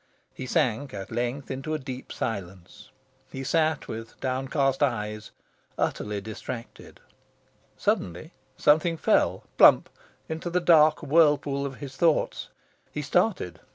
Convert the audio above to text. He sank, at length, into a deep silence. He sat with downcast eyes, utterly distracted. Suddenly, something fell, plump! into the dark whirlpool of his thoughts. He started.